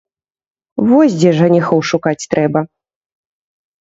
Вось дзе жаніхоў шукаць трэба.